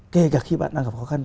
kể cả khi bạn đang gặp khó khăn